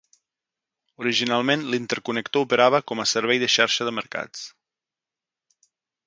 Originalment, l'inter-connector operava com a servei de xarxa de mercats.